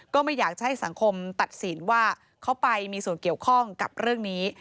ก็ไม่อยากจะให้สังคมตัดสินว่าเขาไปมีส่วนเกี่ยวข้องกับเรื่องนี้